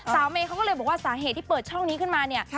เมย์เขาก็เลยบอกว่าสาเหตุที่เปิดช่องนี้ขึ้นมาเนี่ย